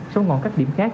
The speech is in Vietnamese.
sau ngọn các điểm khác